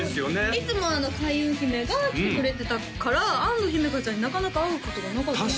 いつも開運姫が来てくれてたから安土姫華ちゃんになかなか会うことがなかったですよね